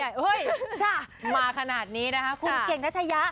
เฮ้ยมาขนาดนี้นะครับคุณเก่งดัชยะ